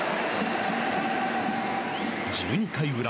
１２回裏。